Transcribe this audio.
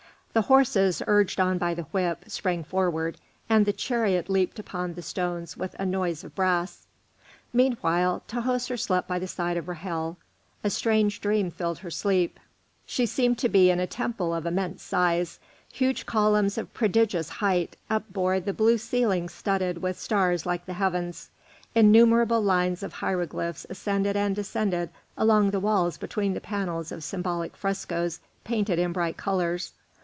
The horses, urged on by the whip, sprang forward, and the chariot leaped upon the stones with a noise of brass. Meanwhile Tahoser slept by the side of Ra'hel. A strange dream filled her sleep. She seemed to be in a temple of immense size. Huge columns of prodigious height upbore the blue ceiling studded with stars like the heavens; innumerable lines of hieroglyphs ascended and descended along the walls between the panels of symbolic frescoes painted in bright colours.